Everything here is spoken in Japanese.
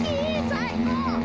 最高！